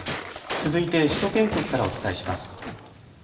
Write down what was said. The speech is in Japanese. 続いて首都圏局からお伝えします。